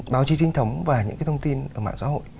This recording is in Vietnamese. báo chí trinh thống và những cái thông tin ở mạng xã hội